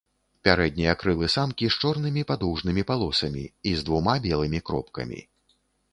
Пярэднія крылы самкі з чорнымі падоўжнымі палосамі і з двума белымі кропкамі.